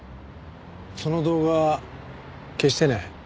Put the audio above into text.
その動画消してね。